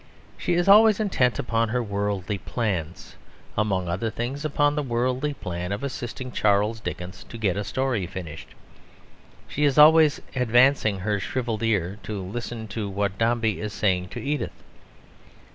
She is always intent upon her worldly plans, among other things upon the worldly plan of assisting Charles Dickens to get a story finished. She is always "advancing her shrivelled ear" to listen to what Dombey is saying to Edith.